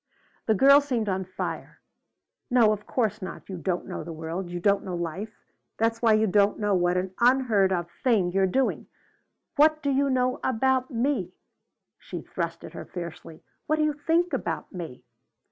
The girl seemed on fire. "No, of course not; you don't know the world you don't know life that's why you don't know what an unheard of thing you're doing! What do you know about me?" she thrust at her fiercely. "What do you think about me?"